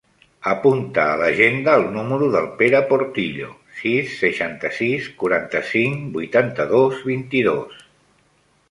Apunta a l'agenda el número del Pere Portillo: sis, seixanta-sis, quaranta-cinc, vuitanta-dos, vint-i-dos.